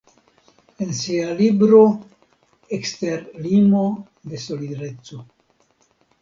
En sia libro "Ekster limo de solidareco.